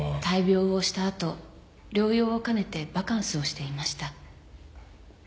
大病をした後療養を兼ねてバカンスをしていました。